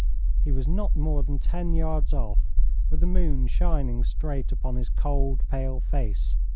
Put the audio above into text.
He was not more than ten yards off, with the moon shining straight upon his cold, pale face.